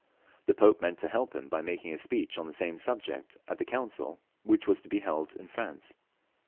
The Pope meant to help him by making a speech on the same subject at the council which was to be held in France.